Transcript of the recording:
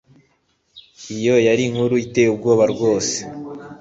iyo yari inkuru iteye ubwoba rwose